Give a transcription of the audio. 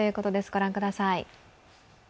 御覧ください。